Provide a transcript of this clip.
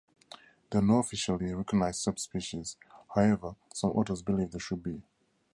There are no officially recognized sub-species, however, some authors believe there should be.